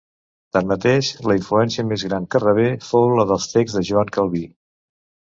Tanmateix, la influència més gran que rebé fou la dels texts de Joan Calví.